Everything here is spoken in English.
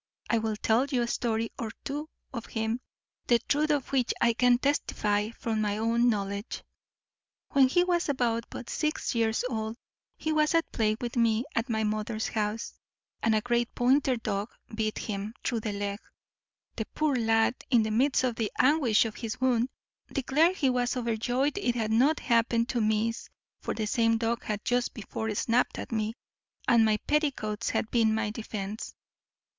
I will tell you a story or two of him, the truth of which I can testify from my own knowledge. When he was but six years old he was at play with me at my mother's house, and a great pointer dog bit him through the leg. The poor lad, in the midst of the anguish of his wound, declared he was overjoyed it had not happened to miss (for the same dog had just before snapt at me, and my petticoats had been my defence).